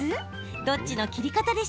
どっちの切り方？